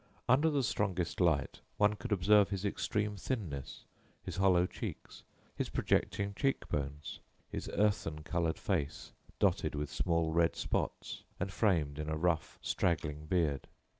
Under the strongest light one could observe his extreme thinness, his hollow cheeks, his projecting cheek bones, his earthen colored face dotted with small red spots and framed in a rough, straggling beard.